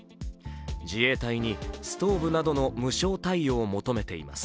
自衛隊にストーブなどの無償貸与を求めています。